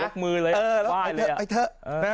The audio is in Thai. ยกมือเลยไอ้เถอะ